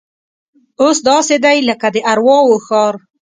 اوس داسې دی لکه د ارواو ښار.